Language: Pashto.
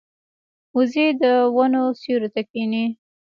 وزې د ونو سیوري ته کیني